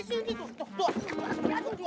jangan kurang ajar deh